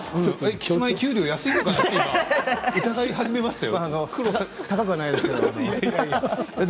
キスマイは給料が安いのかな？と疑い始めましたよ。